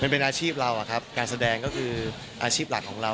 มันเป็นอาชีพเราอะครับการแสดงก็คืออาชีพหลักของเรา